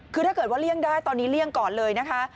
คือถ้าเกิดว่าเลี่ยงได้ตอนนี้เลี่ยงก่อนเลยนะคะ